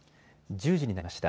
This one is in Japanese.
１０時になりました。